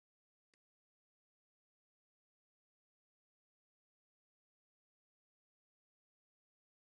Tiu ĉi lasta parto de la milito estas konata kiel la Hispana-usona milito.